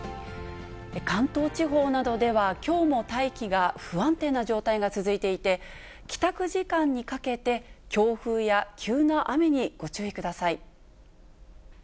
関東地方などでは、きょうも大気が不安定な状態が続いていて、帰宅時間にかけて、強風や急な雨にご注意ください。